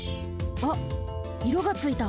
あっいろがついた。